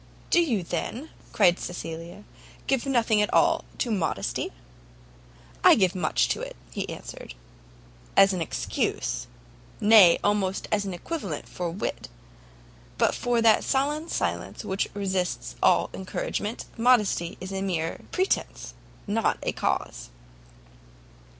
"Do you, then," cried Cecilia, "give nothing at all to modesty?" "I give much to it," he answered, "as an excuse, nay almost as an equivalent for wit; but for that sullen silence which resists all encouragement, modesty is a mere pretence, not a cause."